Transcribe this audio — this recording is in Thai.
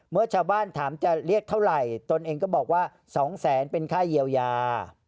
เมื่อชาวบ้านถามจะเรียกเท่าไหร่ตนเองก็บอกว่า๒แสนเป็นค่าเยียวยา